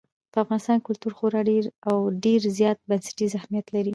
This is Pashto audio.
په افغانستان کې کلتور خورا ډېر او ډېر زیات بنسټیز اهمیت لري.